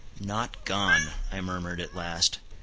"Not gone!" I murmured at last.